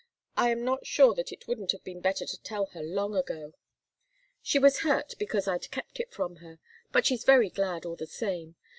I am not sure that it wouldn't have been better to tell her long ago. She was hurt, because I'd kept it from her but she's very glad, all the same.